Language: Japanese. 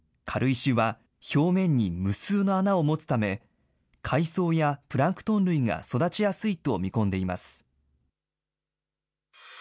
軽石は表面に無数の穴を持つため、海藻やプランクトン類が育ちやすいと見込んでいます。